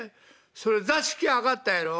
それ座敷上がったやろ。